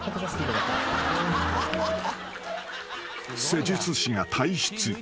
［施術師が退出。